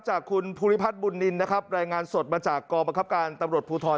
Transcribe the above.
จากคุณภูริพัฒน์บุญนินนะครับรายงานสดมาจากกองบังคับการตำรวจภูทร